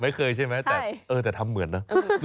ไม่เคยใช่ไหมแต่ทำเหมือนเนอะ